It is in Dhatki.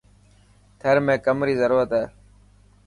ٿر ۾ ڪم ري ضرورت هي.